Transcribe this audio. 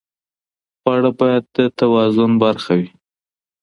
خواړه باید د توازن برخه وي.